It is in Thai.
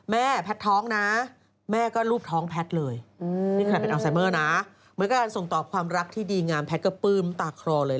เหมือนกันส่งตอบความรักที่ดีงามแพทย์ก็ปลื้มตาคลอเลย